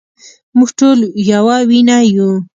مونږ ټول يوه وينه يو